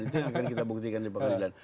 itu yang akan kita buktikan di pengadilan